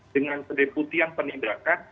dengan sedeputian penindakan